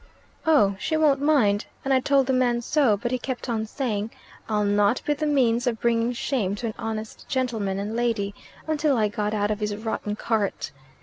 "Oh, she won't mind, and I told the man so; but he kept on saying, 'I'll not be the means of bringing shame to an honest gentleman and lady,' until I got out of his rotten cart."